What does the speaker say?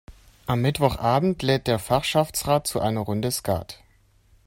Am Mittwochabend lädt der Fachschaftsrat zu einer Runde Skat.